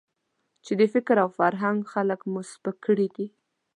چې د فکر او فرهنګ خلک مو سپک کړي دي.